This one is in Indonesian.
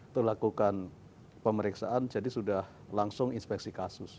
terlakukan pemeriksaan jadi sudah langsung inspeksi kasus